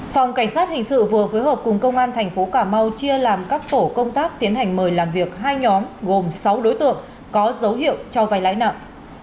phòng cảnh sát hình sự vừa phối hợp cùng công an thành phố cà mau chia làm các tổ công tác tiến hành mời làm việc hai nhóm gồm sáu đối tượng có dấu hiệu cho vay lãi nặng